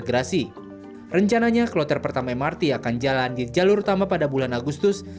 rencananya kloter pertama mrt akan jalan di jalur utama pada bulan agustus